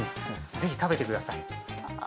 是非食べてください。